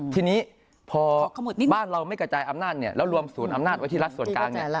ทีนี้พอบ้านเราไม่กระจายอำนาจแล้วรวมศูนย์อำนาจไว้ที่รัฐส่วนกลาง